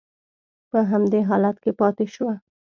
په همدې حالت کې پاتې شوه.